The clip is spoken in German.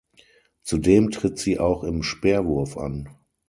Zudem tritt sie auch im Speerwurf an.